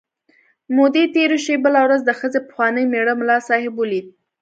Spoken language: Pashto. مودې تېرې شوې، بله ورځ د ښځې پخواني مېړه ملا صاحب ولید.